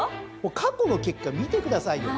過去の結果見てくださいよ。